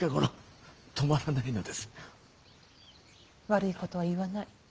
悪いことは言わない。